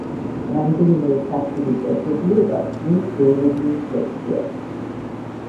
რამდენიმე სართულის ერთობლიობა ქმნის გეოლოგიურ სექციას.